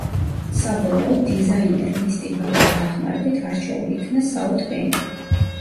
საბოლოოდ დიზაინერ მისტი ბაკლის დახმარებით არჩეული იქნა საუთ ბენკი.